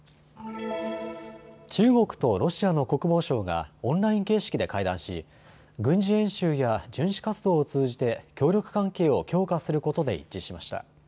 中国とロシアの国防相がオンライン形式で会談し軍事演習や巡視活動を通じて協力関係を強化することで一致しました。